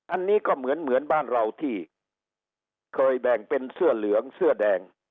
อันนี้ก็เหมือนเหมือนบ้านเราที่เคยแบ่งเป็นเสื้อเหลืองเสื้อแดง